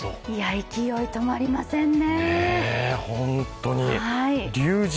勢い止まりませんね。